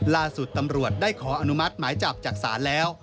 ล่าสุดตำรวจได้ขออนุมัติหมายจับจากศาลแล้ว